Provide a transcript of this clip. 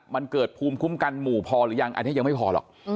มันเกิดภูมิคุ้มกันหมู่พอหรือยังอันนี้ยังไม่พอหรอก